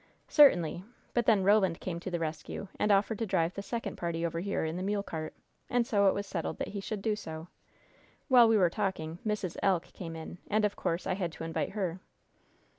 "Certainly! But then Roland came to the rescue, and offered to drive the second party over here in the mule cart, and so it was settled that he should do so. While we were talking, Mrs. Elk came in, and, of course, I had to invite her."